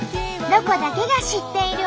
「ロコだけが知っている」。